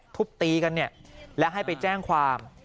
ทุบตีกันเนี่ยและให้ไปแจ้งความ